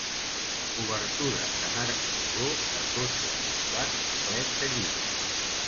Obertures en arc rodó, de totxo col·locat a plec de llibre.